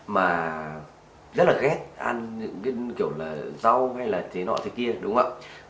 mà rất là ghét ăn kiểu là rau hay là thế nọ thế kia đúng không ạ